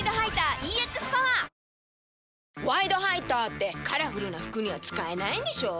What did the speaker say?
「ワイドハイター」ってカラフルな服には使えないんでしょ？